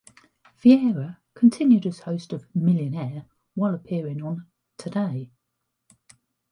Vieira continued as host of "Millionaire" while appearing on "Today".